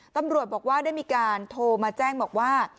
ตำรวจบอกว่าได้มีการโทรมาแจ้งบอกว่า